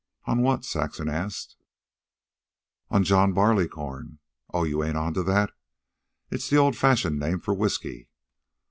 "On what?" asked Saxon. "On John Barleycorn. Oh, you ain't on to that. It's the old fashioned name for whisky.